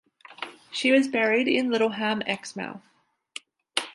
She was buried in Littleham, Exmouth.